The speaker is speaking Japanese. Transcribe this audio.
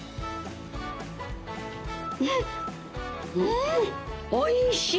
うんおいしい！